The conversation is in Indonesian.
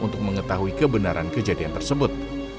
untuk mengetahui kebenaran kejadian tersebut